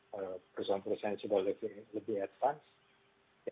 perusahaan perusahaan yang sudah lebih advance